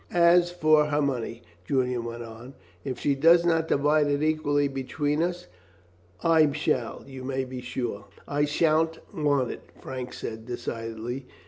"As for her money," Julian went on, "if she does not divide it equally between us, I shall, you may be sure." "I sha'n't want it," Frank said decidedly.